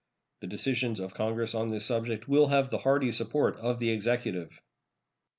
The decisions of Congress on this subject will have the hearty support of the Executive.